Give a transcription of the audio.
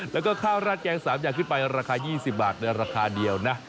แล้วก็ข้าวราดแกง๓อย่างขึ้นไปราคา๒๐บาทในราคาเดียวนะ